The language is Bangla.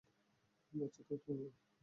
বাচ্চা তো তাের না।